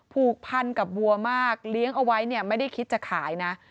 ผูกพันกับวัวมากเลี้ยงเอาไว้เนี่ยไม่ได้คิดจะขายนะ